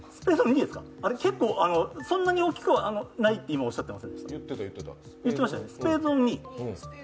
そんなに大きくはないっておっしゃっていませんでした？